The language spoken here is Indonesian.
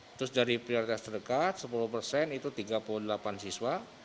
terus dari prioritas terdekat sepuluh persen itu tiga puluh delapan siswa